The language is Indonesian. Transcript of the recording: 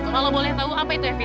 kalau boleh tau apa itu epita